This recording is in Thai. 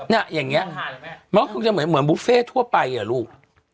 เนี่ยอย่างนี้มันก็คงจะเหมือนบุฟเฟ่ทั่วไปอ่ะลูก